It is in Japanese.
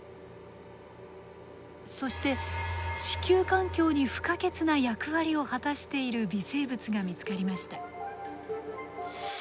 そして地球環境に不可欠な役割を果たしている微生物が見つかりました。